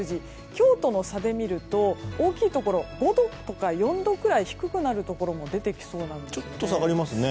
今日との差で見ると大きいところ、５度とか４度くらい低くなるところも出てきそうなんです。